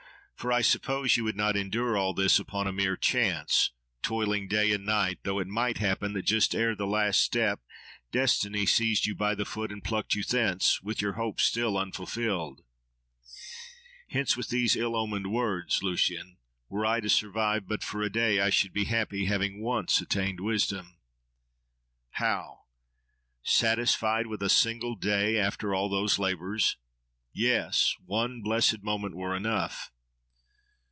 For I suppose you would not endure all this, upon a mere chance—toiling day and night, though it might happen that just ere the last step, Destiny seized you by the foot and plucked you thence, with your hope still unfulfilled. —Hence, with these ill omened words, Lucian! Were I to survive but for a day, I should be happy, having once attained wisdom. —How?—Satisfied with a single day, after all those labours? —Yes! one blessed moment were enough!